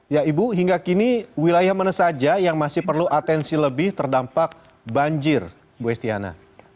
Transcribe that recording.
ya ibu hingga kini wilayah mana saja yang masih perlu atensi lebih terdampak banjir bu estiana